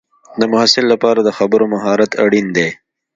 د محصل لپاره د خبرو مهارت اړین دی.